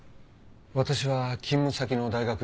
私は勤務先の大学に。